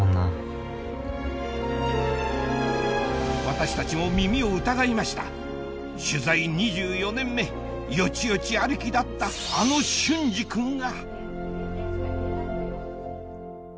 私たちも耳を疑いましたよちよち歩きだったあの隼司君が！